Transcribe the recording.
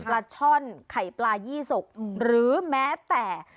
ปลาช่อนไข่ปลายี่สกหรือแม้แต่